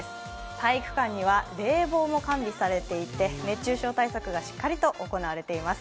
体育館には冷房も完備されていて熱中症対策がしっかりと行われています。